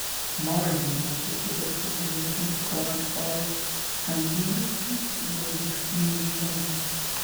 Mardin also suggested they listen to current R and B artists including Stevie Wonder.